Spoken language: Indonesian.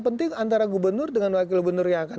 penting antara gubernur dengan wakil gubernur